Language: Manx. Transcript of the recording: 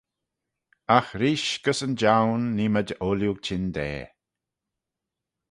Agh reesht gys yn joan nee mayd ooilley çhyndaa.